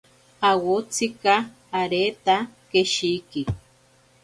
Awotsika areta keshiki.